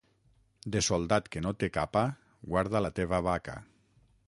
De soldat que no té capa, guarda la teva vaca.